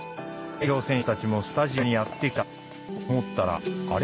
代表選手たちもスタジオにやって来た！と思ったらあれ？